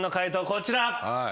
こちら。